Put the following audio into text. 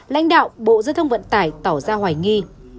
lãnh đạo bộ giao thông vận tải tỏ ra hoài nghi